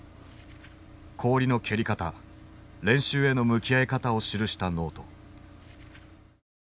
氷の蹴り方練習への向き合い方を記したノート。